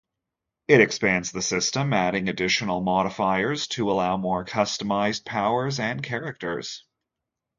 It expands the system, adding additional modifiers to allow more customized powers and characters.